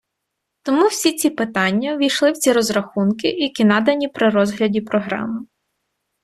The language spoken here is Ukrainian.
Тому всі ці питання ввійшли в ці розрахунки, які надані при розгляді програми.